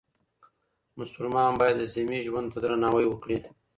مسلمان باید د ذمي ژوند ته درناوی وکړي.